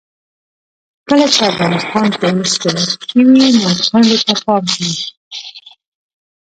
کله چې افغانستان کې ولسواکي وي کونډو ته پام کیږي.